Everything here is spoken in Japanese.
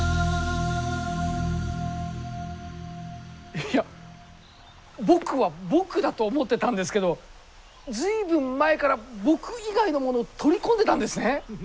いや僕は僕だと思ってたんですけど随分前から僕以外のものを取り込んでたんですね。